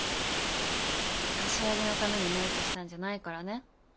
柏木のためにメークしたんじゃないからね。